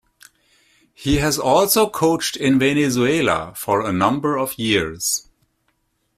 He has also coached in Venezuela for a number of years.